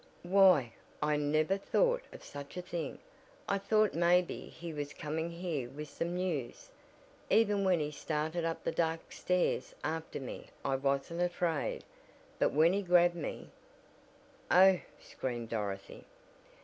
"Why, I never thought of such a thing. I thought maybe he was coming here with some news. Even when he started up the dark stairs after me I wasn't afraid. But when he grabbed me " "Oh!" screamed Dorothy.